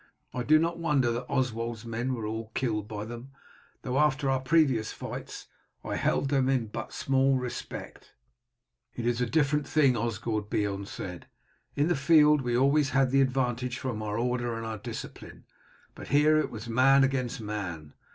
I do not wonder that Oswald's men were all killed by them, though after our previous fights I held them in but small respect." "It is a different thing, Osgod," Beorn said. "In the field we have always had the advantage from our order and our discipline; but here it was man against man.